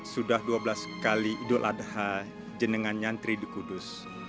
sudah dua belas kali idul adha jenengan nyantri di kudus